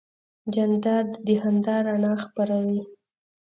جانداد د خندا رڼا خپروي.